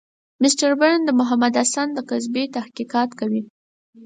مسټر برن د محمودالحسن د قضیې تحقیقات کوي.